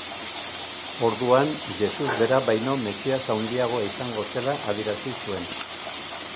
Orduan, Jesus bera baino mesias handiagoa izango zela adierazi zuen.